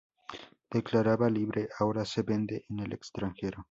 Declarada libre, ahora se vende en el extranjero.